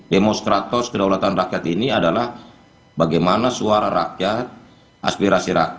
demoskratos kedaulatan rakyat ini adalah bagaimana suara rakyat aspirasi rakyat kemerdekaan rakyat untuk menyampaikan pikiran dan gagasannya bisa dilindungi oleh